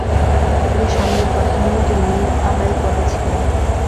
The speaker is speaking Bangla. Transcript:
তিনি সামরিক বাহিনীর মীরআলাই পদে ছিলেন।